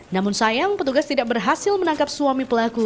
namun sayang petugas tidak berhasil menangkap suami pelaku